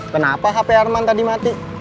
kenapa hp arman tadi mati